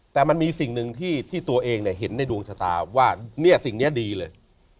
แต่มันมีสิ่งหนึ่งที่ตัวเองเห็นในดวงชะตาว่าเนี่ยสิ่งนี้ดีเลย